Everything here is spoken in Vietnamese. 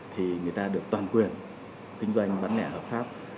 thì người ta được toàn quyền kinh doanh bán lẻ hợp pháp